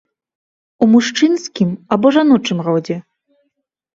У мужчынскім або жаночым родзе?